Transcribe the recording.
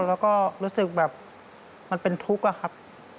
แล้วก็รู้สึกแบบมันเป็นทุกข์อะครับ